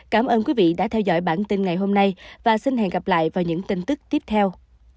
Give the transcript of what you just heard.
cảm ơn quý vị đã theo dõi bản tin ngày hôm nay và xin hẹn gặp lại vào những tin tức tiếp theo